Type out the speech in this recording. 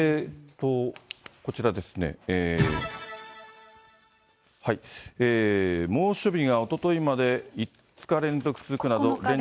こちらですね、猛暑日がおとといまで５日連続続くなど。